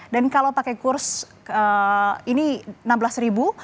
dan kalau pakai kurs ini enam belas ribu